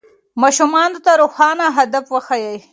ماشومانو ته روښانه هدف وښیئ.